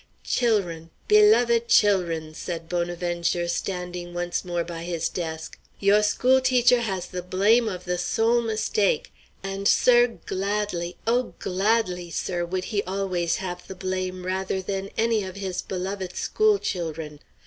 "Chil'run, beloved chil'run," said Bonaventure, standing once more by his desk, "yo' school teacher has the blame of the sole mistake; and, sir, gladly, oh, gladly, sir, would he always have the blame rather than any of his beloved school chil'run!